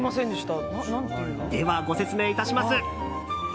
では、ご説明致します。